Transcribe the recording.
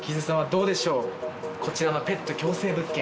どうでしょうこちらがペット共生物件。